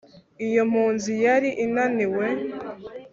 Iyo mpunzi yari inaniwe